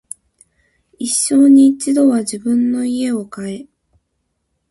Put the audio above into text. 一生に一度は自分の家を買え